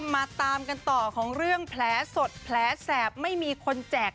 มาตามกันต่อของเรื่องแผลสดแผลแสบไม่มีคนแจก